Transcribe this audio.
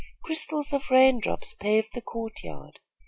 Crystals of rain drops paved the court yard.